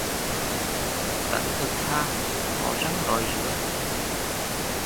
Tánh thật thà, có răng nói rứa